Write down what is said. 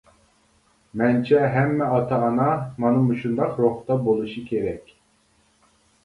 مەنچە ھەممە ئاتا-ئانا مانا مۇشۇنداق روھتا بولۇشى كېرەك.